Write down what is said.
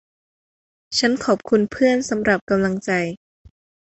ฉันขอบคุณเพื่อนสำหรับกำลังใจ